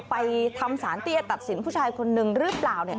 ไปทำสารเตี้ยตัดสินผู้ชายคนหนึ่งหรือเปล่า